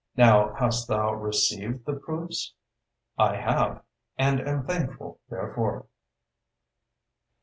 ——"Now hast thou received the proofs?" I have, and am thankful therefor. 8.